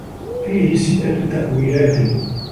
فِيهِ سِتَّةُ تَأْوِيلَاتٍ